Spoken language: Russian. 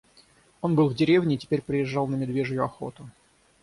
Он был в деревне и теперь приезжал на медвежью охоту.